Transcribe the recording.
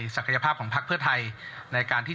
จุดที่และนี้